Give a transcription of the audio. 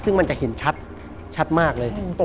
ซึ่งมันจะเห็นชัดมากเลย